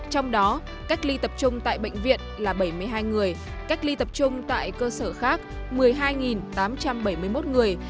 trong đó cách ly tập trung tại bệnh viện là bảy mươi hai người cách ly tập trung tại cơ sở khác một mươi hai tám trăm bảy mươi một người